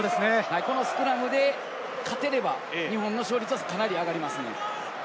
スクラムで勝てれば日本の勝率はかなり上がりますね。